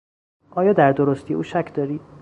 آیا در درستی او شک داری؟